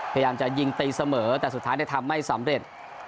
พยายามจะยิงตีเสมอแต่สุดท้ายทำไม่สำเร็จ